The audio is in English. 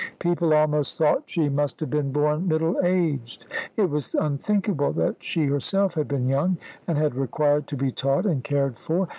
People almost thought she must have been born middle aged. It was unthinkable that she herself had been young, and had required to be taught and cared for.